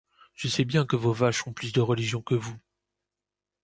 Je sais bien que vos vaches ont plus de religion que vous…